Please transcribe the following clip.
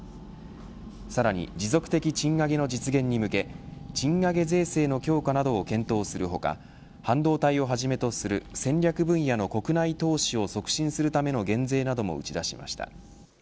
さらに持続的賃上げの実現に向け賃上げ税制の強化などを検討する他半導体をはじめとする戦略分野の国内投資を促進するための減税なども打ち出しました。